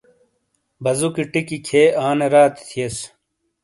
بازوکی ٹکی کھیئے انی راتی تھیئیس۔